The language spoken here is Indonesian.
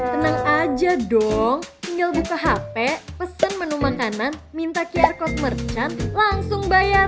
tenang aja dong tinggal buka hp pesen menu makanan minta qr code merchant langsung bayar